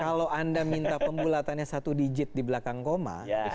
kalau anda minta pembulatannya satu digit di belakang koma